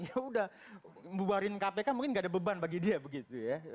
ya udah bubarin kpk mungkin gak ada beban bagi dia begitu ya